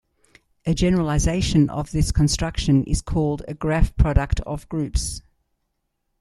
A generalization of this construction is called a graph product of groups.